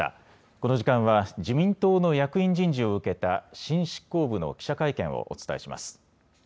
この時間は、自民党の役員人事を受けた新執行部の記者会見をお伝えします。